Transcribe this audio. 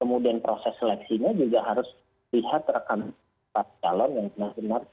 kemudian proses seleksinya juga harus lihat rekan rekan calon yang terhadap komisaris